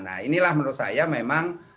nah inilah menurut saya memang